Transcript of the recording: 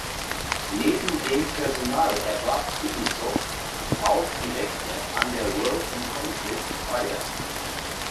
Neben dem Personal erwarb Ubisoft auch die Rechte an der "World in Conflict"-Reihe.